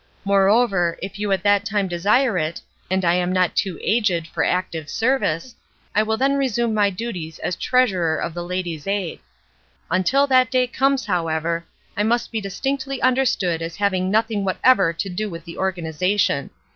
Moreover, if you at that time desire it, and I am not too aged for active service, I will then resume my duties as treasurer of the Ladies' Aid. Until that day comes, however, I must be distinctly understood as having nothing whatever to do with the organization.